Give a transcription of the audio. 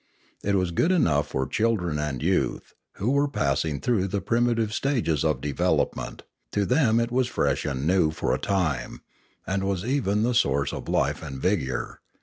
It was good enough for children and youth, who were passing through the primitive stages of development; to them it was fresh and new for a time, and was even the source of life and vigour.